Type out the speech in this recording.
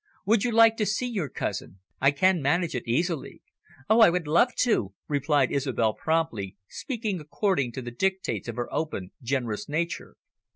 Would you like to see your cousin? I can manage it easily." "Oh, I would love to," replied Isobel promptly, speaking according to the dictates of her open, generous nature.